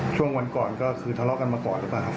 ช่วงวันก่อนก็คือทะเลาะกันมาก่อนหรือเปล่าครับ